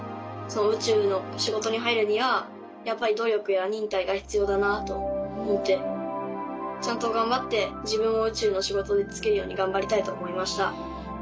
宇宙の仕事に入るにはやっぱり努力や忍耐が必要だなと思ってちゃんと頑張って自分も宇宙の仕事に就けるように頑張りたいと思いました。